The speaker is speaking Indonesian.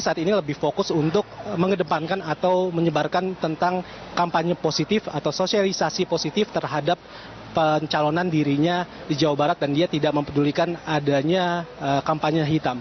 dan saat ini lebih fokus untuk mengedepankan atau menyebarkan tentang kampanye positif atau sosialisasi positif terhadap pencalonan dirinya di jawa barat dan dia tidak mempedulikan adanya kampanye hitam